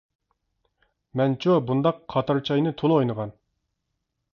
مەنچۇ بۇنداق قاتار چاينى تولا ئوينىغان.